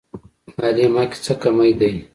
مالې ما کې څه کمی دی.